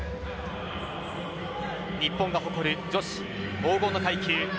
日本が誇る女子、黄金の階級。